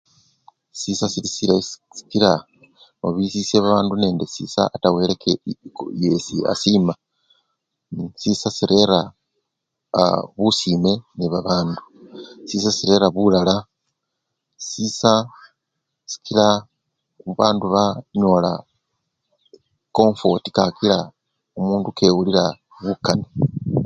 siisa sili silayi sikila no birishishe babandu ne siisa ata wele yesi asima, siisa sirera busime ne babandu, siisa sirera bulala, siisa sikila babandu banyola confotii kakila omunda kewulila bukane